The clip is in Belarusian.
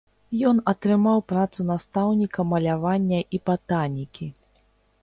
Ён атрымаў працу настаўніка малявання і батанікі.